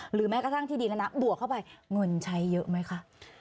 แม้กระทั่งที่ดีแล้วนะบวกเข้าไปเงินใช้เยอะไหมคะ